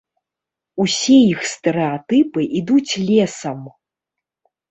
Усе іх стэрэатыпы ідуць лесам.